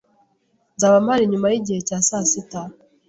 Nzaba mpari nyuma yigihe cya sasita.